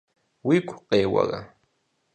– Уигу къеуэрэ?